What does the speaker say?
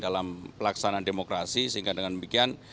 dalam pelaksanaan demokrasi sehingga dengan demikian